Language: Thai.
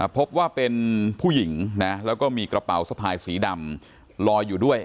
พบว่าเป็นผู้หญิงนะแล้วก็มีกระเป๋าสะพายสีดำลอยอยู่ด้วย